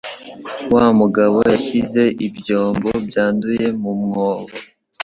Wa mugabo yashyize ibyombo byanduye mu mwobo.